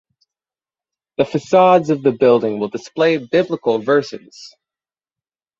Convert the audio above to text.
The facades of the buildings will display biblical verses.